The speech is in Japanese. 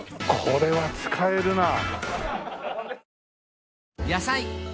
これは使えるな。